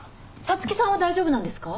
五月さんは大丈夫なんですか？